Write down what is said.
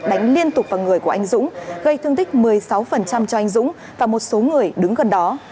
đánh liên tục vào người của anh dũng gây thương tích một mươi sáu cho anh dũng và một số người đứng gần đó